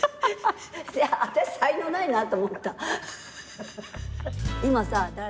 私才能ないなと思った。